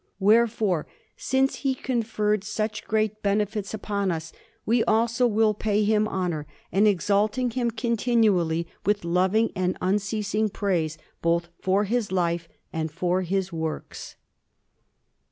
Wherefore, since he conferred such great benefits upon us, we also will pay him honour, exalting him continually with loving and unceasing praise both for his life and for his works.